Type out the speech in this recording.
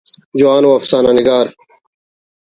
جوان ءُ افسانہ نگار